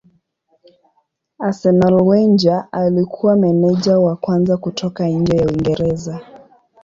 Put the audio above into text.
Arsenal Wenger alikuwa meneja wa kwanza kutoka nje ya Uingereza.